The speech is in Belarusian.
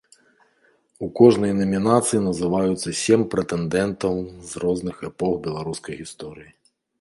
У кожнай намінацыі называюцца сем прэтэндэнтаў з розных эпох беларускай гісторыі.